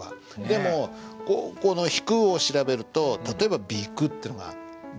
でもこの「引く」を調べると例えば「比丘」っていうのが出てくるでしょ。